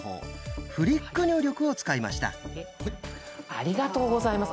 ありがとうございます。